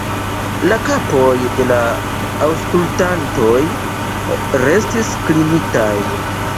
La kapoj de la aŭskultantoj restis klinitaj.